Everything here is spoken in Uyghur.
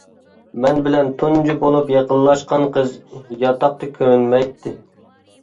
مەن بىلەن تۇنجى بولۇپ يېقىنلاشقان قىز ياتاقتا كۆرۈنمەيتتى.